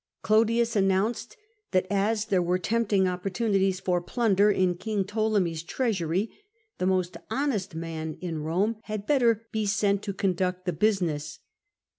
Clodius announced that as there were tempting opportunities for plunder in King Ptolemy's treasury, the most honest man in Rome had better be sent to conduct the business.